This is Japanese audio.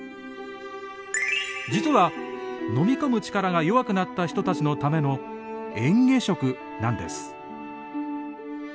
実は飲み込む力が弱くなった人たちのためのえん下食なんです。